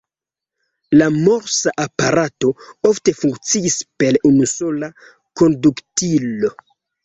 La Morsa-aparato ofte funkciis per unusola konduktilo.